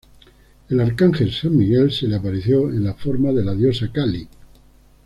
El arcángel, San Miguel, se le apareció en la forma de la diosa Kali.